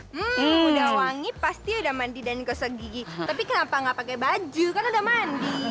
hmm udah wangi pasti ada mandi dan kosong gigi tapi kenapa nggak pakai baju kan udah mandi